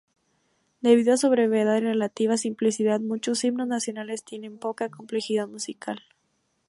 Debido a su brevedad y relativa simplicidad, muchos himnos nacionales tienen poca complejidad musical.